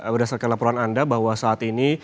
berdasarkan laporan anda bahwa saat ini